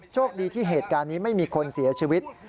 โชคดีที่เหตุการณ์นี้ไม่มีคนเสียชีวิต